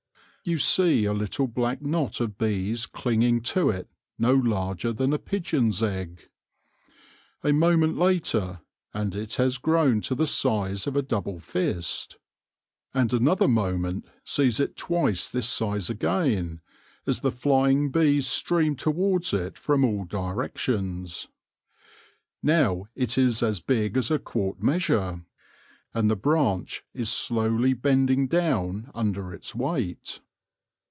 You see a little black knot of bees clinging to it no larger than a pigeon's egg. A moment later, and it has grown to the size of a double fist, and another moment sees it twice this size again, as the flying bees stream towards it from all directions. Now it is as big as a quart measure, and the branch is slowly bending down under its weight.